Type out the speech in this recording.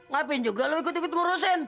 ngapain juga lo ikut ikut ngurusin